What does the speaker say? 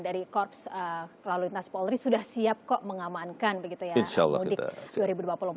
dari korps lalu lintas polri sudah siap kok mengamankan begitu ya mudik dua ribu dua puluh empat